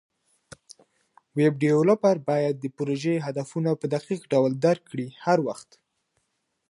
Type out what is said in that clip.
ویب ډیولپر باید د پروژې هدفونه په دقیق ډول درک کړي هر وخت.